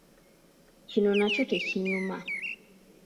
Kino nakyo tekinyuma.